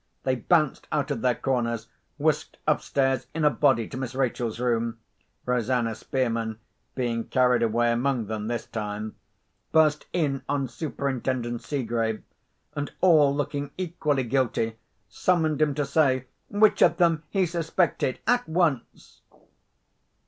They bounced out of their corners, whisked upstairs in a body to Miss Rachel's room (Rosanna Spearman being carried away among them this time), burst in on Superintendent Seegrave, and, all looking equally guilty, summoned him to say which of them he suspected, at once.